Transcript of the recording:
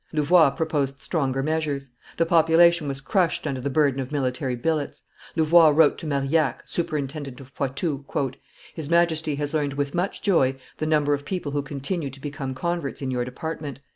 Louvois proposed stronger measures. The population was crushed under the burden of military billets. Louvois wrote to Marillac, superintendent of Poitou, "His Majesty has learned with much joy the number of people who continue to become converts in your department.